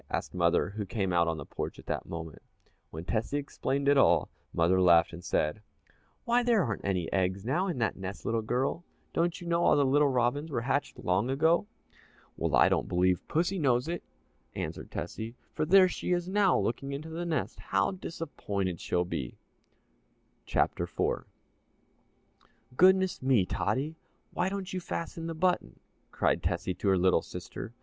asked mother, who came out on the porch at that moment. When Tessie explained it all, mother laughed and said, "Why, there aren't any eggs now in that nest, little girl don't you know all the little robins were hatched long ago?" "Well, I don't believe pussy knows it," answered Tessie, "for there she is now looking into the nest how disappointed she'll be!" CHAPTER IV "Goodness me, Tottie, why don't you fasten the button!" cried Tessie to her little sister.